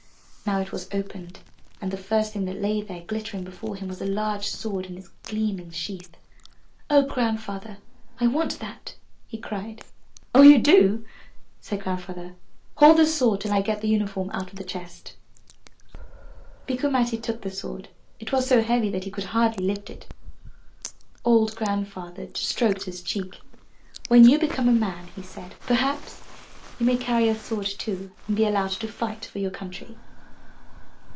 Now it was opened and the first thing that lay there glittering before him was a large sword in its gleaming sheath. 0h. Grandfather, I want that," he cried. *'0h, you do?" said Grandfather. ''Hold the sword till I get the uniform out of the chest." Bikku Matti took the sword; it was so heavy that he could hardly lift it. Old Grandfather stroked his cheek. "When you become a man," he said, "per haps you may carry a sword too, and be allowed to fight for your country.